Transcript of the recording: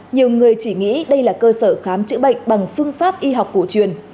nhiều người chỉ nghĩ đây là cơ sở khám chữa bệnh bằng phương pháp y học cổ truyền